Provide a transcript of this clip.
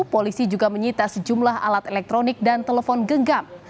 polisi juga menyita sejumlah alat elektronik dan telepon genggam